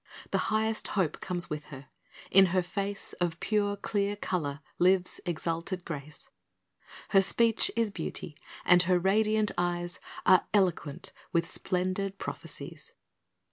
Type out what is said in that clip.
The highest hope comes with her. In her face Of pure, clear colour lives exalted grace; Her speech is beauty, and her radiant eyes Are eloquent with splendid prophecies.